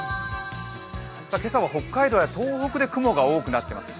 今朝は北海道や東北で雲が多くなっています。